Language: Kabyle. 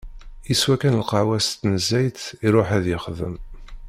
Yeswa kan lqahwa-s n tnezzayt iruḥ ad yexdem.